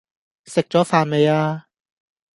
食左飯未呀